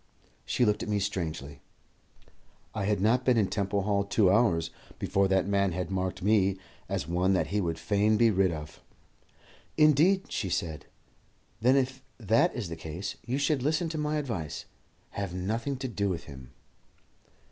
She looked at me strangely. "I had not been in Temple Hall two hours before that man had marked me as one that he would fain be rid of." "Indeed," she said; "then if that is the case, you should listen to my advice. Have nothing to do with him."